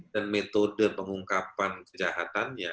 dan metode pengungkapan kejahatannya